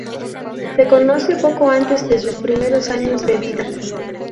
Se conoce poco antes de sus primeros años de vida.